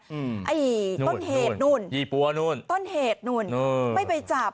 ไอ้ต้นเหตุนู่นยี่ปั้วนู่นต้นเหตุนู่นไม่ไปจับ